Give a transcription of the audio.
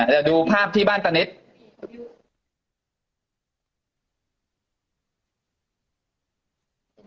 แต่หนูจะเอากับน้องเขามาแต่ว่า